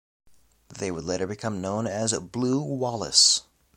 They would later become known as 'blue Wallis'.